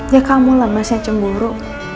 ya kamu lah mas yang cemburu